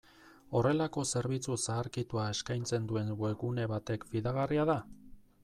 Horrelako zerbitzu zaharkitua eskaintzen duen webgune batek fidagarria da?